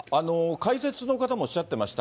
解説の方もおっしゃってました。